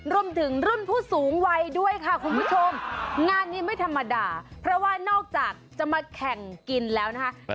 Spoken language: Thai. รวมถึงรุ่นผู้สูงวัยด้วยค่ะคุณผู้ชมงานนี้ไม่ธรรมดาเพราะว่านอกจากจะมาแข่งกินแล้วนะคะ